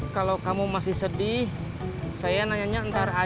kalau kamu masih sedih saya nanya nanya ntar aja